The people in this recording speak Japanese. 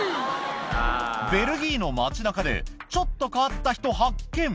ベルギーの街なかで、ちょっと変わった人発見。